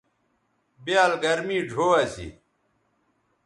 بیال گرمی ڙھو اسی